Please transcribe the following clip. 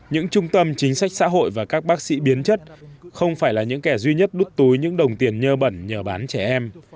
những trung tâm chính sách xã hội và các bác sĩ biến chất không phải là những kẻ duy nhất đứt túi những đồng tiền nhơ bẩn nhờ bán trẻ em